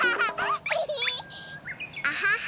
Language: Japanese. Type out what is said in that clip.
アハハ。